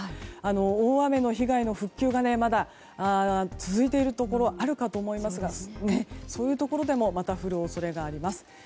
大雨の被害の復旧がまだ続いているところもあるかと思いますがそういうところでもまた降る恐れがあります。